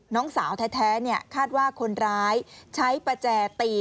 น้องสาวแท้คาดว่าคนร้ายใช้ประแจตี